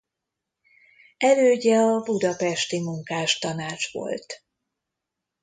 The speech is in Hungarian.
Elődje a Budapesti Munkástanács volt.